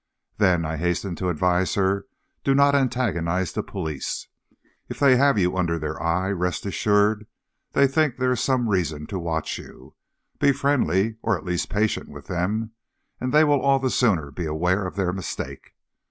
"Then," I hastened to advise her, "do not antagonize the police. If they have you under their eye, rest assured they think there is some reason to watch you. Be friendly, or, at least patient with them, and they will all the sooner be aware of their mistake.